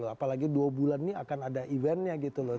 apalagi dua bulan ini akan ada eventnya gitu loh